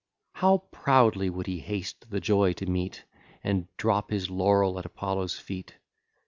How proudly would he haste the joy to meet, And drop his laurel at Apollo's feet!